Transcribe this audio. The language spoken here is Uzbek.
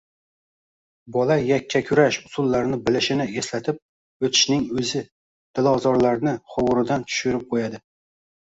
Bola yakkakurash usullarini bilishini eslatib o‘tishning o‘zi, dilozorlarni hovuridan tushirib qo‘yadi.